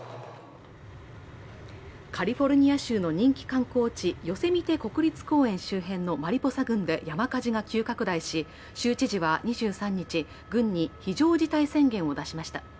カリフォルニア州の人気観光地、ヨセミテ国立公園周辺のマリポサ郡で山火事が急拡大し州知事は２３日、郡に非常事態宣言を出しました。